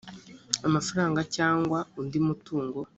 amafaranga cyangwa undi mutungo